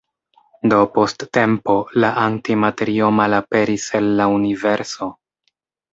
Do post tempo la antimaterio malaperis el la universo.